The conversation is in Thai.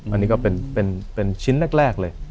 อันนี้ก็เป็นชิ้นแรกเลย